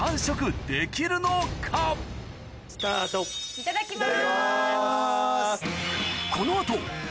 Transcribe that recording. いただきます！